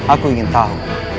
aku ingin tahu